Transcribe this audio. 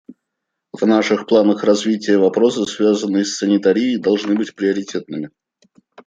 В наших планах развития вопросы, связанные с санитарией, должны быть приоритетными.